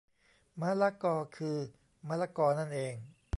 ม้าล้ากอ คือมะละกอนั่นเอง